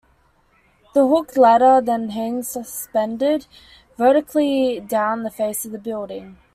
The hooked ladder then hangs suspended vertically down the face of the building.